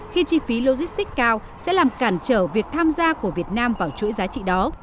khi chi phí logistics cao sẽ làm cản trở việc tham gia của việt nam vào chuỗi giá trị đó